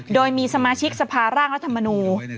โดยมีสมาชิกสภาร่างรัฐมนูล